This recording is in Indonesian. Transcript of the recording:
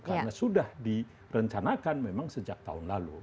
karena sudah direncanakan memang sejak tahun lalu